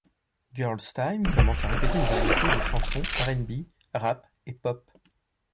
Girl's Tyme commence à répéter une variété de chansons R'n'B, rap, et pop.